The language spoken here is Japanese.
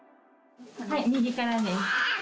はい、右からです。